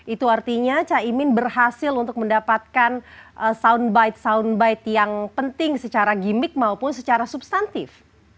itu artinya caimin berhasil untuk mendapatkan soundbite soundbite yang penting secara gimmick maupun secara substantif